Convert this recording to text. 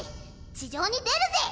地上に出るぜ。